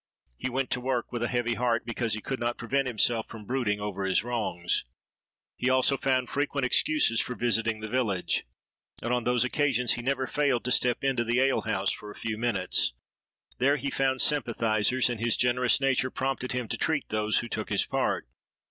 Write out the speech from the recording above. He went to work with a heavy heart, because he could not prevent himself from brooding over his wrongs. He also found frequent excuses for visiting the village; and on those occasions he never failed to step into the ale house for a few minutes. There he found sympathizers; and his generous nature prompted him to treat those who took his part.